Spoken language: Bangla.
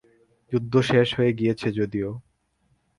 যুদ্ধ শেষ হয়ে গিয়েছে যদিও।